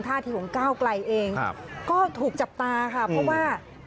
ท่าทีของก้าวไกลเองก็ถูกจับตาค่ะเพราะว่า